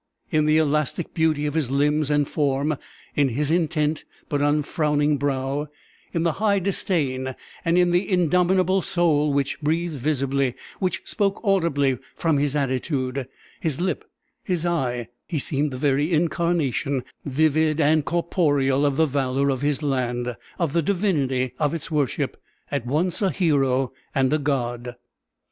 In the elastic beauty of his limbs and form; in his intent but unfrowning brow; in the high disdain and in the indomitable soul which breathed visibly, which spoke audibly, from his attitude, his lip, his eye, he seemed the very incarnation, vivid and corporeal, of the valor of his land; of the divinity of its worship: at once a hero and a god!